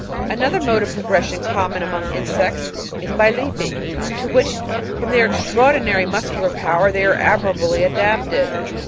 " Another mode of progression common among insects is by leaping, to which from their extraordinary muscular power they are admirably adapted.